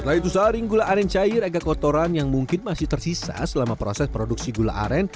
selain itu saring gula aren cair agak kotoran yang mungkin masih tersisa selama proses produksi gula aren